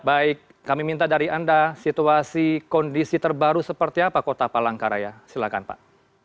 baik kami minta dari anda situasi kondisi terbaru seperti apa kota palangkaraya silahkan pak